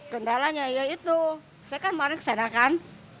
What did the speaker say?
gendalanya ya itu saya kan malam kesana kan